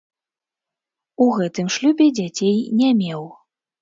У гэтым шлюбе дзяцей не меў.